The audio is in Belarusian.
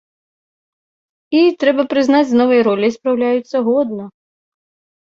І, трэба прызнаць, з новай роляй спраўляюцца годна.